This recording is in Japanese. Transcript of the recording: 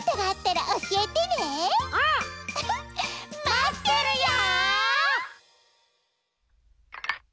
まってるよ！